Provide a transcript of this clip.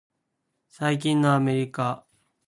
最近のアメリカの情勢は不安定だ。